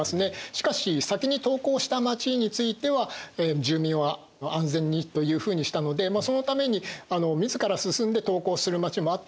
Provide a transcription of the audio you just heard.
しかし先に投降した町については住民は安全にというふうにしたのでそのために自ら進んで投降する町もあったんですね。